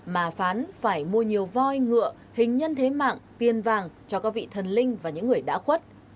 mà phán phải mua nhiều voi ngựa hình nhân thế mạng tiền vàng cho các vị thần linh và những người đã khuất